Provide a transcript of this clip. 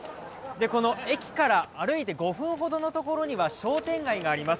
この駅から歩いて５分ほどのところには商店街があります。